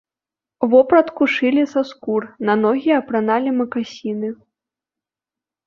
Вопратку шылі са скур, на ногі апраналі макасіны.